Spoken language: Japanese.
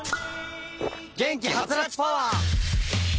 元気ハツラツパワー！